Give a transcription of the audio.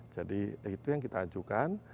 jadi itu yang kita ajukan